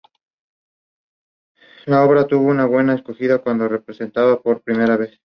La obra no tuvo una buena acogida cuando fue representada por primera vez.